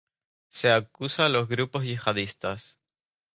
Se acusa a los grupos yihadistas.